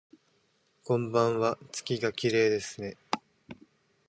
こんばんわ、月がきれいですね